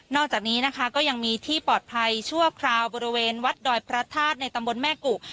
จากนี้นะคะก็ยังมีที่ปลอดภัยชั่วคราวบริเวณวัดดอยพระธาตุในตำบลแม่กุ